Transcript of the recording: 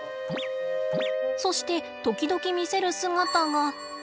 そして時々見せる姿が？